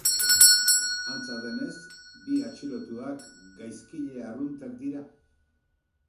Antza denez, bi atxilotuak gaizkile arruntak dira.